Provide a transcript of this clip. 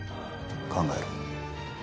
考えろ。